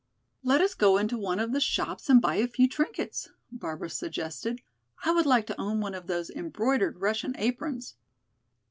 "Let us go into one of the shops and buy a few trinkets," Barbara suggested. "I would like to own one of those embroidered Russian aprons."